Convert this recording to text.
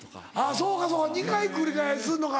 そうかそうか２回繰り返すのが。